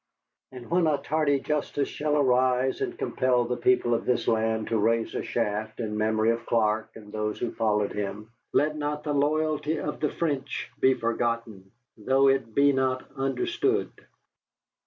And when a tardy justice shall arise and compel the people of this land to raise a shaft in memory of Clark and those who followed him, let not the loyalty of the French be forgotten, though it be not understood.